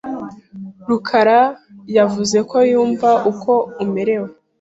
rukara yavuze ko yumva uko umerewe .